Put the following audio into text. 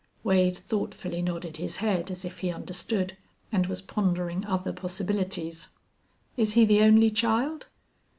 Wade thoughtfully nodded his head, as if he understood, and was pondering other possibilities. "Is he the only child?"